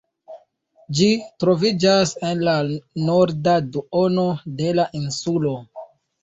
Ĝi troviĝas en la norda duono de la insulo.